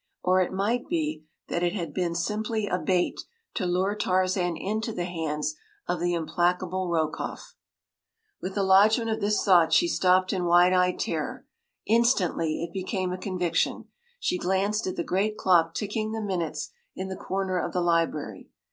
Or it might be that it had been simply a bait to lure Tarzan into the hands of the implacable Rokoff. With the lodgment of this thought she stopped in wide eyed terror. Instantly it became a conviction. She glanced at the great clock ticking the minutes in the corner of the library.